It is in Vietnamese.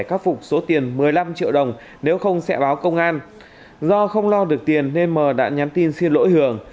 khắc phục số tiền một mươi năm triệu đồng nếu không sẽ báo công an do không lo được tiền nên m đã nhắn tin xin lỗi hưởng